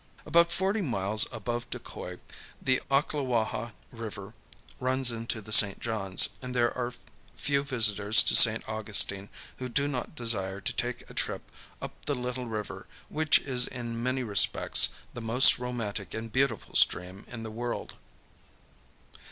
About forty miles above Tocoi the Ocklawaha River runs into the St. John's, and there are few visitors to St. Augustine who do not desire to take a trip up the little river which is in many respects the most romantic and beautiful stream in the world.